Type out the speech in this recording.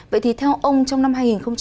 vậy thì theo ông trong năm hai nghìn hai mươi